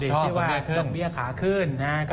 ชอบดอกเบี้ยขาขึ้นชอบดอกเบี้ยขึ้น